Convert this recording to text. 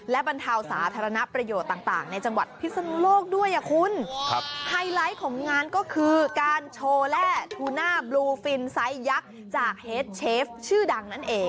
และบรรเทาสาธารณประโยชน์ต่างในจังหวัดพิษนุโลกด้วยคุณ